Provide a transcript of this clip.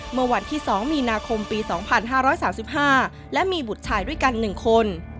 เมื่อวันที่๒มีนาคมปี๒๕๓๕และมีบุตรชายด้วยกัน๑คน